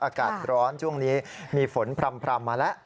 อากาศร้อนช่วงนี้มีฝนพร่ำมาแล้ว